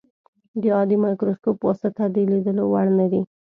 د عادي مایکروسکوپ په واسطه د لیدلو وړ نه دي.